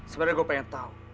sebenernya gue pengen tau